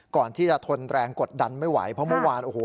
ก่อนที่จะทนแรงกดดันไม่ไหวเพราะเมื่อวานโอ้โห